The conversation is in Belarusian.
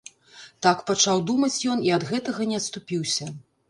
Так пачаў думаць ён і ад гэтага не адступіўся.